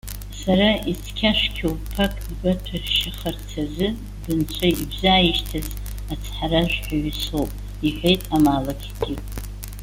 Сара ицқьашәқьоу ԥак дбаҭәашьахарц азы бынцәа ибзааишьҭыз ацҳаражәҳәаҩы соуп,- иҳәеит амаалықьгьы.